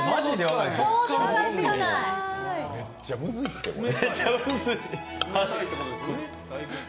めっちゃむずいですね。